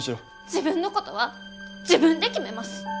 自分のことは自分で決めます！